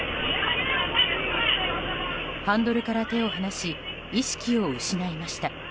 ハンドルから手を放し意識を失いました。